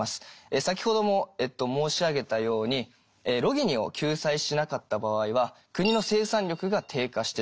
先ほども申し上げたようにロギニを救済しなかった場合は国の生産力が低下してしまう。